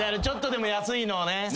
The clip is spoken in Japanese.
ちょっとでも安いのね。